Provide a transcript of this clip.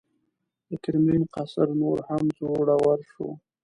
د کرملین قیصر نور هم زړور شو.